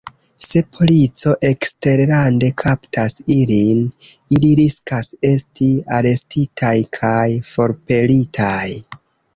Se polico eksterlande kaptas ilin, ili riskas esti arestitaj kaj forpelitaj.